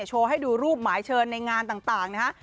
โชว์ให้ดูรูปหมายเชิญในงานต่างนะฮะ